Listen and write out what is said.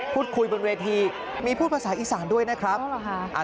พูดคุยบนเวทีมีพูดภาษาอีสานด้วยนะครับ